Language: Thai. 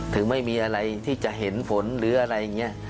ถึงไม่มีอะไรที่จะเห็นผลหรืออะไรอย่างนี้